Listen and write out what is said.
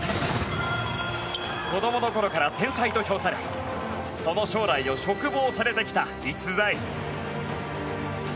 子どもの頃から天才と評されその将来を嘱望されてきた逸材。